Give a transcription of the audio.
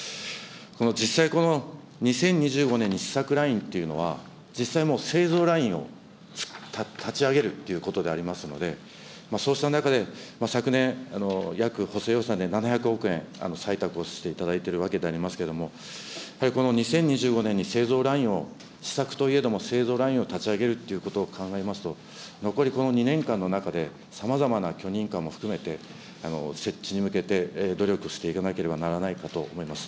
この実際、２０２５年に試作ラインというのは、実際もう製造ラインを立ち上げるっていうことでありますので、そうした中で、昨年、約、補正予算で７００億円採択をしていただいているわけでありますけれども、やはりこの２０２５年に製造ラインを試作といえども製造ラインを立ち上げるっていうことを考えますと、残りこの２年間の中で、さまざまな許認可も含めて、設置に向けて努力していかなければならないかと思います。